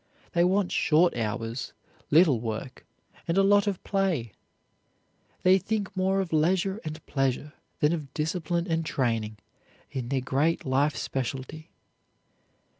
They want short hours, little work and a lot of play. They think more of leisure and pleasure than of discipline and training in their great life specialty.